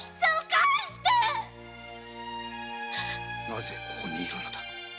なぜここにいるのだ？